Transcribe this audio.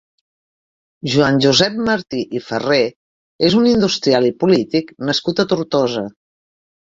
Joan Josep Martí i Ferré és un industrial i polític nascut a Tortosa.